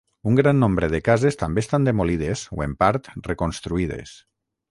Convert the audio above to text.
Un gran nombre de cases també estan demolides o en part reconstruïdes.